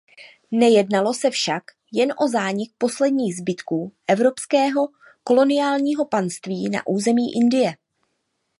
Nejednalo se však jen o zánik posledních zbytků evropského koloniálního panství na území Indie.